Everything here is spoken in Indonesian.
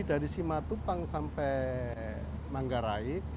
dari simatupang sampai manggarai